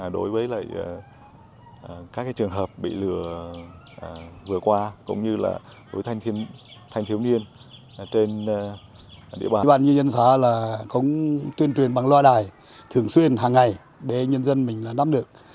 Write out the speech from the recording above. địa bàn như nhân xã là cũng tuyên truyền bằng loa đài thường xuyên hàng ngày để nhân dân mình nắm được